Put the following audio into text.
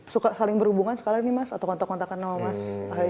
suka saling berhubungan sekarang ini mas atau kontak kontakan sama mas ahayi